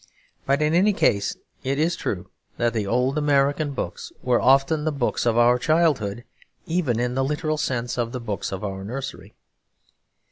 But, in any case, it is true that the old American books were often the books of our childhood, even in the literal sense of the books of our nursery.